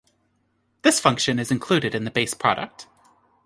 This function is included in the base product.